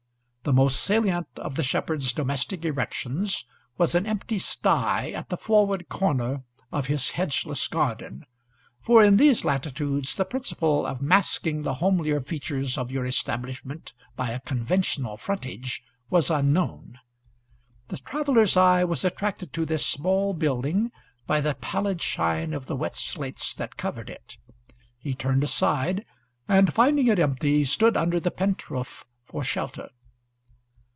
The most salient of the shepherd's domestic erections was an empty sty at the forward corner of his hedgeless garden, for in these latitudes the principle of masking the homelier features of your establishment by a conventional frontage was unknown. The traveller's eye was attracted to this small building by the pallid shine of the wet slates that covered it. He turned aside, and, finding it empty, stood under the pentroof for shelter.